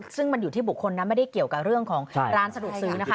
ซึ่งมันอยู่ที่บุคคลนะไม่ได้เกี่ยวกับเรื่องของร้านสะดวกซื้อนะคะ